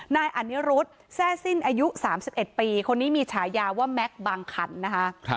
นายอนิรุธแซ่สิ้นอายุ๓๑ปีคนนี้มีฉายาว่าแม็กซ์บางขันนะคะ